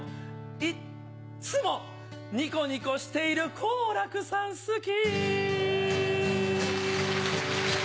いっつもニコニコしている好楽さん好き